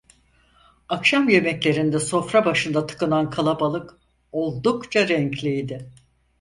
Akşam yemeklerinde sofra başında tıkınan kalabalık, oldukça renkliydi.